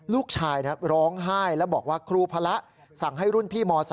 ลูกชายร้องไห้แล้วบอกว่าครูพระสั่งให้รุ่นพี่ม๓